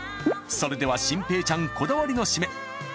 それでは心平ちゃんこだわりのシメ。